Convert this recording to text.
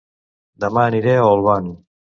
Dema aniré a Olvan